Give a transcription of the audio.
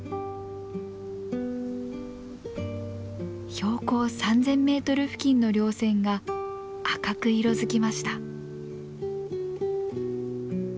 標高３，０００メートル付近の稜線が赤く色づきました。